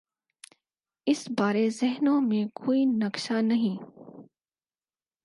اس بارے ذہنوں میں کوئی نقشہ نہیں۔